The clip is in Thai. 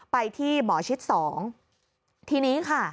ไปที่หมอชิดสองทีนี้ค่ะ